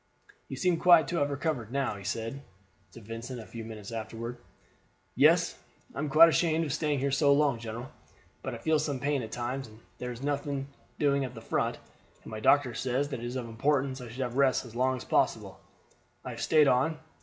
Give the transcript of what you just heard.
"You seem quite to have recovered now," he said to Vincent a few minutes afterward. "Yes; I am quite ashamed of staying here so long, general. But I feel some pain at times; and as there is nothing doing at the front, and my doctor says that it is of importance I should have rest as long as possible, I have stayed on.